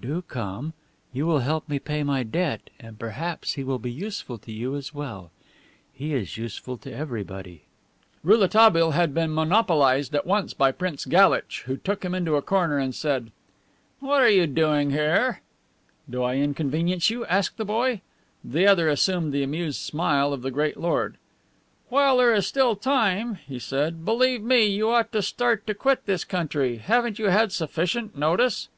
"Do come. You will help me pay my debt and perhaps he will be useful to you as well. He is useful to everybody." Decidedly Onoto did not understand this country, where the worst enemies supped together. Rouletabille had been monopolized at once by Prince Galitch, who took him into a corner and said: "What are you doing here?" "Do I inconvenience you?" asked the boy. The other assumed the amused smile of the great lord. "While there is still time," he said, "believe me, you ought to start, to quit this country. Haven't you had sufficient notice?"